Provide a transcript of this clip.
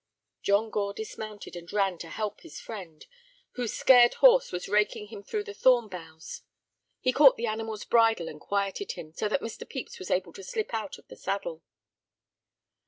John Gore dismounted and ran to help his friend, whose scared horse was raking him through the thorn boughs. He caught the animal's bridle and quieted him, so that Mr. Pepys was able to slip out of the saddle.